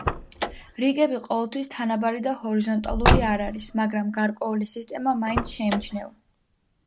რიგები ყოველთვის თანაბარი და ჰორიზონტალური არ არის, მაგრამ გარკვეული სისტემა მაინც შეიმჩნევა.